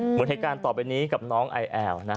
เหมือนในการต่อไปนี้กับน้องอายแอว